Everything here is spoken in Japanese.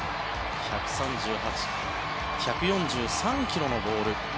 １４３ｋｍのボール。